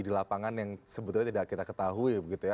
di lapangan yang sebetulnya tidak kita ketahui